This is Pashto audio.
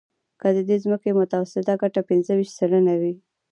که د دې ځمکې متوسطه ګټه پنځه ویشت سلنه وي